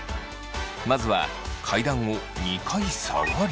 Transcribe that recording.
まずは階段を２階下がり。